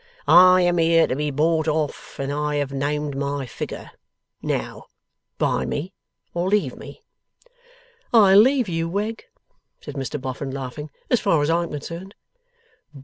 I am here to be bought off, and I have named my figure. Now, buy me, or leave me.' 'I'll leave you, Wegg,' said Mr Boffin, laughing, 'as far as I am concerned.